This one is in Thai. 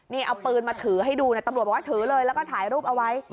นี่เอาปืนมาถือให้ดูตำรวจบอกว่าถือเลยแล้วก็ถ่ายรูปเอาไว้